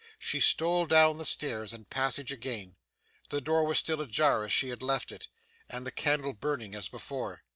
She stole down the stairs and passage again. The door was still ajar as she had left it, and the candle burning as before.